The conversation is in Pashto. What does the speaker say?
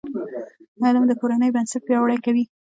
علم د کورنۍ بنسټ پیاوړی کوي.